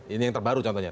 ini yang terbaru contohnya